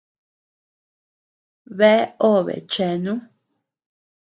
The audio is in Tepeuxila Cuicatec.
Bea obe chenu.